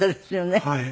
はい。